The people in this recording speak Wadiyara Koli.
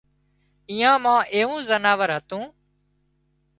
ايئان مان ايوون زناور هتون